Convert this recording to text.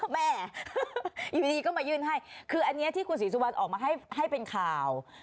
แม่อยู่ดีก็มายื่นให้คืออันนี้ที่คุณศรีสุวรรณออกมาให้เป็นข่าว